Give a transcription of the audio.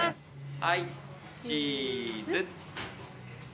・はいチーズ。